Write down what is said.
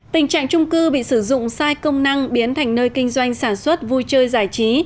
tình trạng trung cư bị sử dụng sai công năng biến thành nơi kinh doanh sản xuất vui chơi giải trí